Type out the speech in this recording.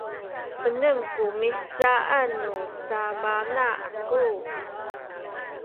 enem ku mihcaan nu sabana aku